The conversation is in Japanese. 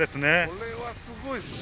これはすごいですね。